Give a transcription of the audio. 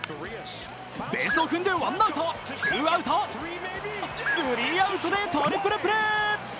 ベースを踏んでワンアウト、ツーアウト、スリーアウトでトリプルプレー。